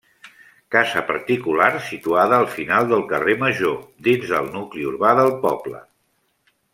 Casa particular situada al final del carrer Major, dins del nucli urbà del poble.